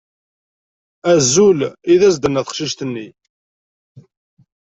Azul, i d as-d-tenna teqcict-nni.